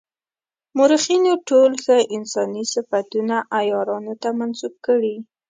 مورخینو ټول ښه انساني صفتونه عیارانو ته منسوب کړي.